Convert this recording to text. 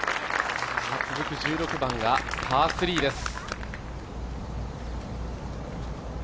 続く１６番がパー３です。